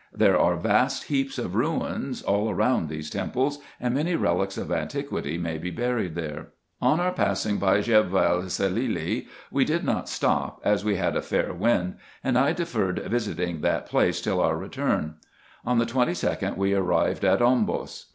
There are vast heaps of ruins all round these temples, and many relics of antiquity may be buried there. On our passing by Djebel Cilcilly we did not stop, as we had a fair wind ; and I deferred visiting that place till our return. On the 22d we arrived at Ombos.